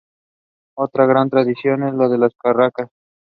Otra gran tradición es la de las carracas.